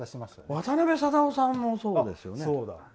渡辺貞夫さんもそうですよね。